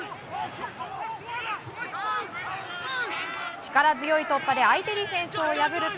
力強い突破で相手ディフェンスを破ると。